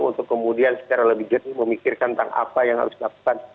untuk kemudian secara lebih jernih memikirkan tentang apa yang harus dilakukan